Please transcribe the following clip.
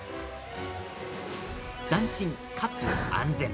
斬新、かつ安全。